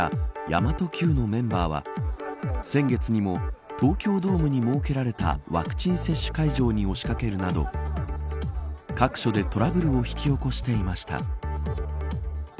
神真都Ｑのメンバーは先月にも東京ドームに設けられたワクチン接種会場に押しかけるなど各所でトラブルを引き起こしていました。